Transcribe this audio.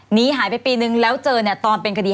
หนีหายไปปีนึงแล้วเจอเนี่ยตอนเป็นคดี